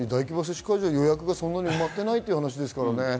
予約がそんなに埋まってないという話ですからね。